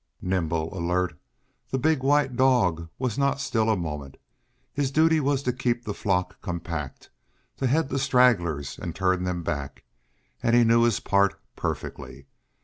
Nimble, alert, the big white dog was not still a moment. His duty was to keep the flock compact, to head the stragglers and turn them back; and he knew his part perfectly.